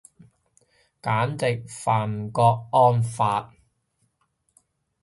簡直犯郭安發